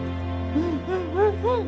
うんうんうんうん。